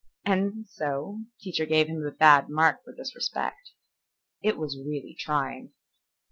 And, so, teacher gave him a bad mark for disrespect. It really was trying.